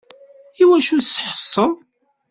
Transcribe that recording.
Iwacu i s-tḥesseḍ?